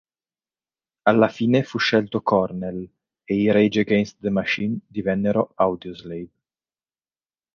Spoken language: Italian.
Alla fine fu scelto Cornell, e i Rage Against the Machine divennero Audioslave.